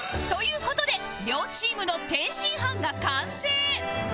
事で両チームの天津飯が完成